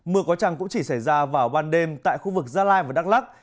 mưa có trăng cũng chỉ xảy ra vào ban đêm tại khu vực gia lai và đắk lắc